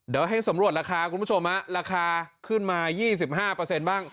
เดี๋ยวให้สำรวจราคาคุณผู้ชมราคาขึ้นมา๒๕บ้าง